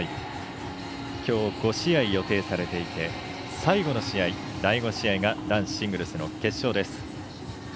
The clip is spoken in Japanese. きょう５試合予定されていて最後の試合、第５試合が男子シングルスの決勝です。